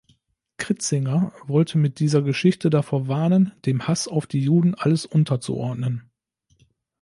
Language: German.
Kritzinger wollte mit dieser Geschichte davor warnen, dem Hass auf die Juden alles unterzuordnen.